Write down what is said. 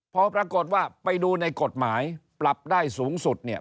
พอปรากฏว่าไปดูในกฎหมายปรับได้สูงสุดเนี่ย